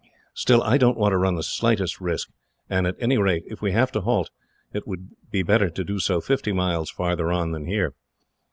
Still, I don't want to run the slightest risk, and at any rate, if we have to halt, it would be better to do so fifty miles farther on than here.